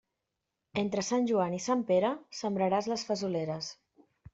Entre Sant Joan i Sant Pere sembraràs les fesoleres.